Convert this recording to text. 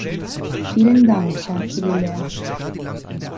Vielen Dank, Herr Killilea.